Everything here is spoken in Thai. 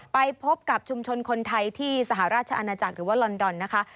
ไปพบกับชุมชนคนไทยที่สหราชอาณาจักรหรือว่าลอนดอนนะคะ